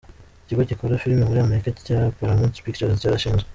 Ikigo gikora filime muri Amerika cya Paramount Pictures cyarashinzwe.